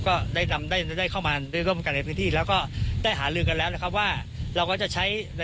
ก็ได้นำได้เข้ามาได้ร่วมกันในพื้นที่แล้วก็ได้หาลือกันแล้วนะครับว่าเราก็จะใช้